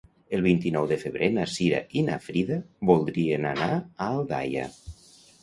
El vint-i-nou de febrer na Cira i na Frida voldrien anar a Aldaia.